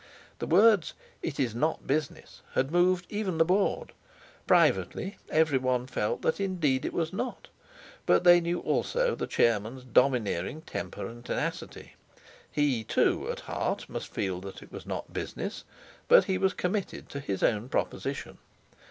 The words "it is not business" had moved even the Board; privately everyone felt that indeed it was not. But they knew also the chairman's domineering temper and tenacity. He, too, at heart must feel that it was not business; but he was committed to his own proposition.